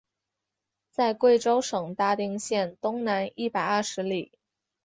在贵州省大定县东南一百二十里。